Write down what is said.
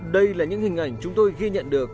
đây là những hình ảnh chúng tôi ghi nhận được